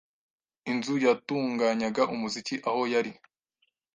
inzu yatunganyaga umuziki aho yari